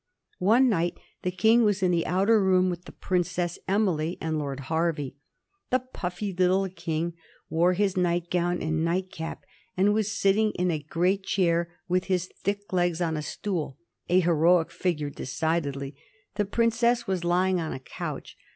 One night the King was in the outer room with the Princess Emily and Lord Hervey. The puffy little King wore his nightgown and nightcap, and was sitting in a great chair with his thick legs on a stool ; a heroic figure, decidedly. The princess was lying on a couch.